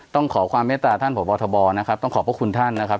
ต้องขอความเมตตาท่านพบทบนะครับต้องขอบพระคุณท่านนะครับ